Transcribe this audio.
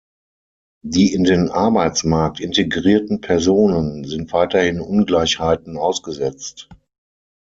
Die in den Arbeitsmarkt integrierten Personen sind weiterhin Ungleichheiten ausgesetzt.